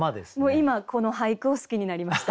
今この俳句を好きになりました。